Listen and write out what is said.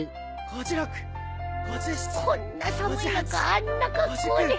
こんな寒い中あんな格好で。